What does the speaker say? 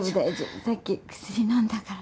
さっき薬飲んだから